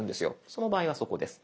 その場合はそこです。